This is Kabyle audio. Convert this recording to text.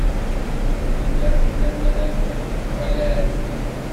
Medden akk llan ran Xali Ɛli.